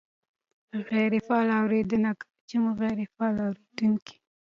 -غیرې فعاله اورېدنه : کله چې مونږ غیرې فعال اورېدونکي